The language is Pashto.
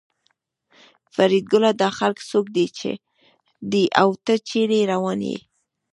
فریدګله دا خلک څوک دي او ته چېرې روان یې